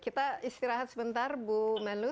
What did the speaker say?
kita istirahat sebentar bu menlu